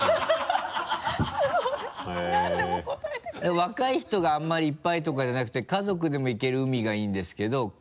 若い人があんまりいっぱいとかじゃなくて家族でも行ける海がいいんですけど。